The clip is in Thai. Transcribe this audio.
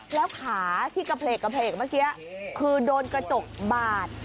แล้วขาที่กระเพลกเมื่อกี้คือโดนกระจกบาด